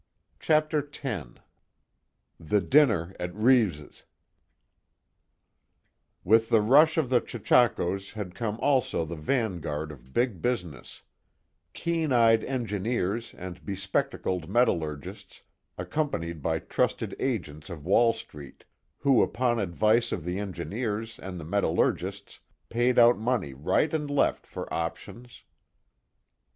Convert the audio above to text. CHAPTER X THE DINNER AT REEVES' With the rush of the chechakos had come also the vanguard of big business keen eyed engineers and bespectacled metallurgists, accompanied by trusted agents of Wall Street, who upon advice of the engineers and the metallurgists paid out money right and left for options.